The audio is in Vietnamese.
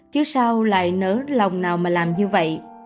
chứ sao lại nỡ lòng nào mà làm như vậy